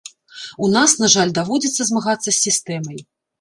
У нас, на жаль, даводзіцца змагацца з сістэмай.